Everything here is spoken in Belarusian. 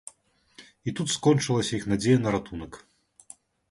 І тут скончылася іх надзея на ратунак.